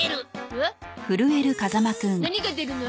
何が出るの？